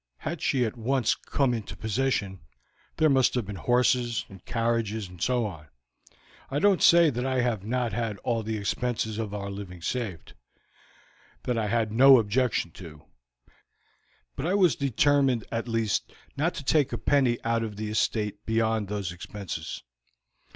Had she at once come into possession, there must have been horses, and carriages, and so on. I don't say that I have not had all the expenses of our living saved; that I had no objection to; but I was determined at least not to take a penny put of the estate beyond those expenses.